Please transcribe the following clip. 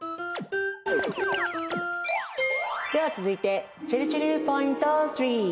では続いてちぇるちぇるポイント３。